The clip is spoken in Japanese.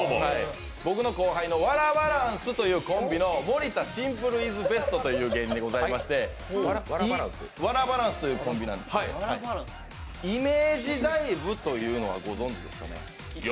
僕の後輩のワラバランスというコンビの盛田シンプルイズベストという芸人でございましてワラバランスというコンビなんですけど、イメージダイブというのはご存じですか？